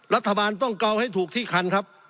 รัฐบาลต้องเกาให้ถูกที่คันครับ